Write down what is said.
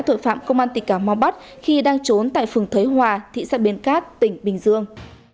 tội phạm công an tỉnh cà mau bắt khi đang trốn tại phường thới hòa thị xã biên cát tỉnh bình dương